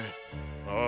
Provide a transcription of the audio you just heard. ああ。